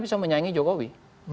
bisa menyaingi jokowi